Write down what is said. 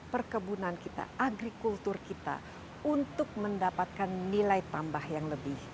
perkebunan kita agrikultur kita untuk mendapatkan nilai tambah yang lebih